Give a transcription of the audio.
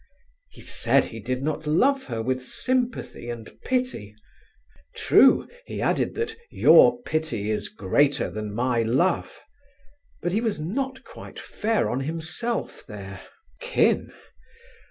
He said he did not love her with sympathy and pity; true, he added that "your pity is greater than my love," but he was not quite fair on himself there. Kin!